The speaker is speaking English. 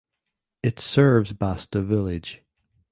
It serves Basta village.